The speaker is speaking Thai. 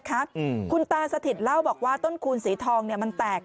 อืมคุณตาสถิตเล่าบอกว่าต้นคูณสีทองเนี้ยมันแตก